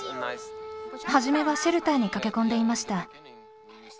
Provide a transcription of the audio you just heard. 初めはシェルターに駆け込んでいました。